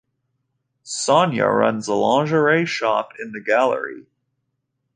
Sonia runs a lingerie shop in the gallery.